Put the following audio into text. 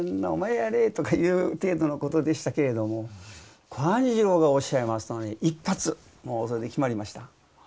お前やれ」とかいう程度のことでしたけれども寛次郎がおっしゃいますとね一発もうそれで決まりました。